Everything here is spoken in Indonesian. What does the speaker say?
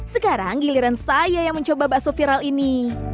sekarang giliran saya yang mencoba bakso viral ini